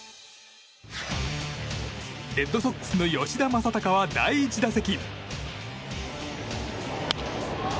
レッドソックスの吉田正尚は第１打席。